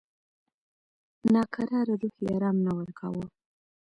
ناکراره روح یې آرام نه ورکاوه.